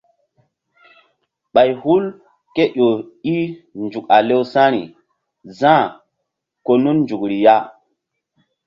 Ɓay hul ké ƴo i nzuk a lewsa̧ri za̧h ko nun nzukri ya.